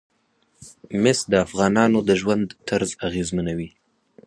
مس د افغانانو د ژوند طرز اغېزمنوي.